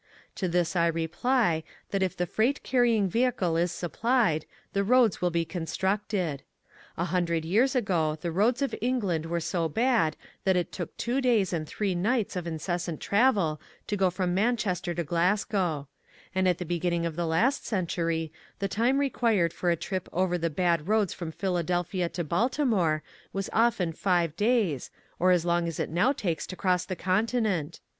To this I reply, that if the freight carrying vehicle is supplied, the roads will be con structed. A hundred years ago the roads of England were so bad that it took two days and three nights of incessant travel to go from Jilanchester to Glasgow ; and at the beginning of the last century the time required for a trip over the bad roads from Philadelphia to Baltimore was often 5 days, or as long as it now takes to cross the continent.